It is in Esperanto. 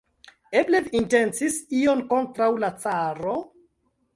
Eble vi intencis ion kontraŭ la caro?